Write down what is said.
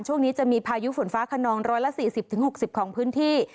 ช่วงนี้จะมีพายุฝนฟ้าขนอง๑๔๐๖๐ของพื้นที่